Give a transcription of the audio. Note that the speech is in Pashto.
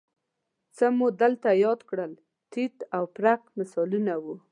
څه مو دلته یاد کړل تیت و پرک مثالونه وو